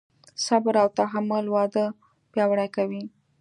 صبر او تحمل واده پیاوړی کوي.